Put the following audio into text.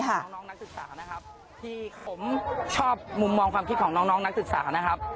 ที่ผมชอบมุมมองความคิดของน้องนักศึกษานะครับ